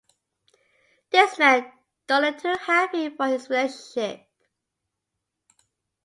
This man don't look too happy for his relationship.